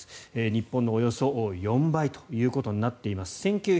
日本のおよそ４倍ということになっています。